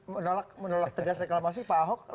menolak tegas reklamasi pak ahok